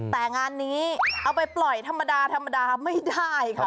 แต่งานนี้เอาไปปล่อยธรรมดาไม่ได้ค่ะคุณ